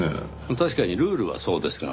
確かにルールはそうですが。